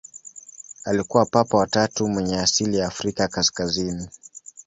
Alikuwa Papa wa tatu mwenye asili ya Afrika kaskazini.